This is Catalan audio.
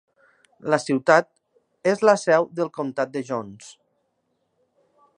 La ciutat és la seu del comtat de Jones.